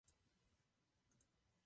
Od dětství také miloval řeckou mytologii.